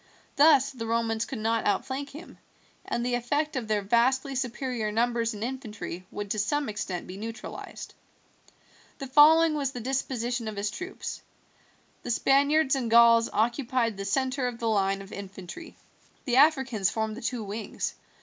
Thus the Romans could not outflank him, and the effect of their vastly superior numbers in infantry would to some extent be neutralized. The following was the disposition of his troops. The Spaniards and Gauls occupied the centre of the line of infantry. The Africans formed the two wings.